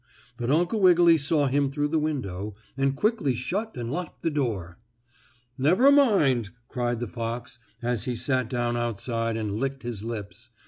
But Uncle Wiggily saw him through the window, and quickly shut and locked the door. "Never mind," cried the fox, as he sat down outside and licked his lips.